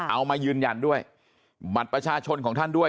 เอามายืนยันด้วยบัตรประชาชนของท่านด้วย